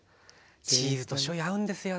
チーズとしょうゆ合うんですよね。